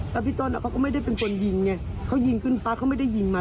แล้วพี่ต้นเขาก็ไม่ได้เป็นคนยิงไงเขายิงขึ้นฟ้าเขาไม่ได้ยิงมา